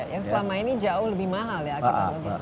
yang selama ini jauh lebih mahal ya logistik itu